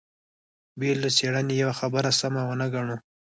بې له څېړنې يوه خبره سمه ونه ګڼو.